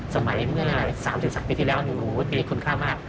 เมื่อ๓๓ปีที่แล้วมีคุณค่ามาก